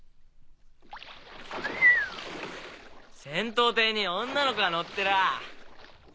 戦闘艇に女の子が乗ってらぁ。